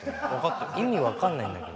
意味分かんないんだけど。